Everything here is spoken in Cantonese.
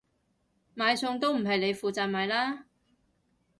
買餸都唔係你負責買啦？